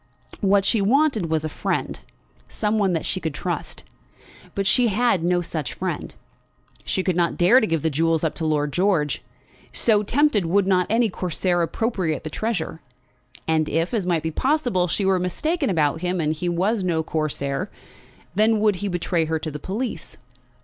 What she wanted was a friend; some one that she could trust. But she had no such friend. She could not dare to give the jewels up to Lord George. So tempted, would not any Corsair appropriate the treasure? And if, as might be possible, she were mistaken about him and he was no Corsair, then would he betray her to the police?